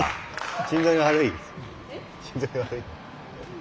心臓に悪い。